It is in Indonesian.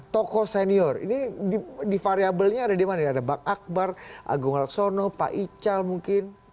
toko senior ini di variabelnya ada di mana ya ada pak akbar agung alksono pak ical mungkin